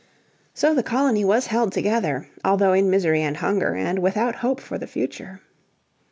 So the colony was held together, although in misery and hunger and without hope for the future.